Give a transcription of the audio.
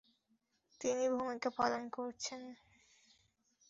তিনি ভূমিকা পালন করেছেন।